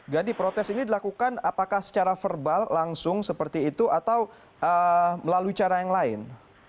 jadi protes ini dilakukan apakah secara verbal langsung seperti itu atau melalui cara yang lain